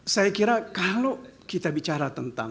saya kira kalau kita bicara tentang